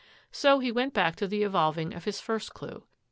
So he went back to the e^ of his first clue.